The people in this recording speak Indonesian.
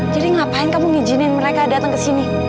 jadi ngapain kamu ngijinin mereka datang kesini